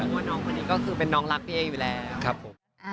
เพราะว่าน้องคนนี้ก็คือเป็นน้องรักพี่เอ๊อยู่แล้วครับผม